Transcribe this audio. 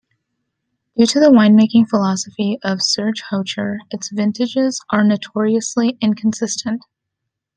Due to the winemaking philosophy of Serge Hochar, its vintages are notoriously inconsistent.